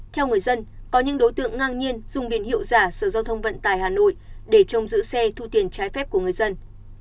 theo người dân có những đối tượng ngang nhiên dùng biển hiệu giả sở giao thông vận tải hà nội để trông giữ xe thu tiền trái phép của người dân